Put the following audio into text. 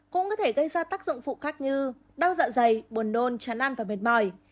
cũng có thể gây ra tác dụng phụ khác như đau dạ dày buồn nôn tràn ăn và mệt mỏi